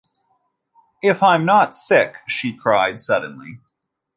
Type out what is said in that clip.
“If I’m not sick!” she cried suddenly.